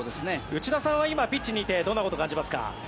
内田さんは今ピッチにいてどんなことを感じますか？